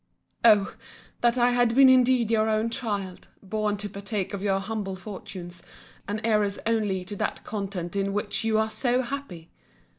Oh! that I had been indeed your own child, born to partake of your humble fortunes, an heiress only to that content in which you are so happy!